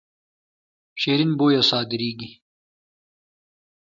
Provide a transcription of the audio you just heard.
شیرین بویه صادریږي.